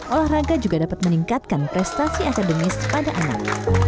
olahraga juga dapat meningkatkan prestasi akademis pada anak